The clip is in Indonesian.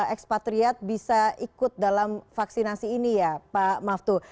ekspatriat bisa ikut dalam vaksinasi ini ya pak maftu